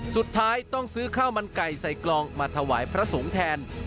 สุดท้ายต้องซื้อข้าวมันไก่ใส่กลองมาถวายพระสงฆ์แทน